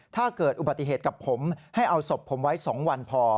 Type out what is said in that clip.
ถ้าเกิดอุบัติเหตุกับผมให้เอาศพผมไว้๒วันพอ